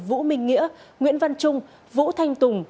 vũ minh nghĩa nguyễn văn trung vũ thanh tùng